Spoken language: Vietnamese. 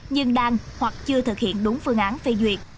nhưng đang hoặc chưa thực hiện đúng phương án phê duyệt